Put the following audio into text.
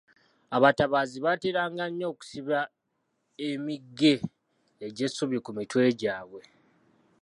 Abatabaazi baateranga nnyo okusiba emige egy'essubi ku mitwe gyabwe.